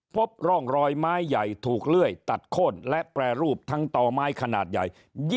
พบร่องรอยไม้ใหญ่ถูกเลื่อยตัดโค้นและแปรรูปทั้งต่อไม้ขนาดใหญ่